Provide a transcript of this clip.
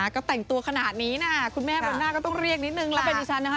ก็แต่งตัวขนาดนี้นะคุณแม่บนหน้าก็ต้องเรียกนิดนึงแล้วเป็นดิฉันนะคะ